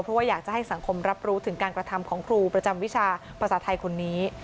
เพราะว่าอยากจะให้สังคมรับรู้ถึงการกระทำของครูประจำวิชาภาษาไทยคนนี้